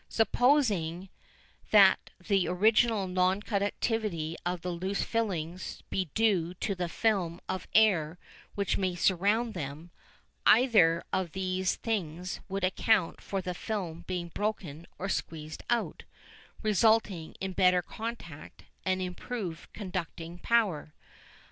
Supposing that the original non conductivity of the loose filings be due to the film of air which may surround them, either of these things would account for the film being broken or squeezed out, resulting in better contact and improved conducting power.